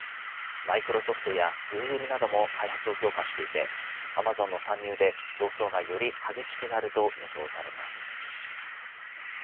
マイクロソフトやグーグルなども開発を強化していてアマゾンの参入で競争がより激しくなると予想されます。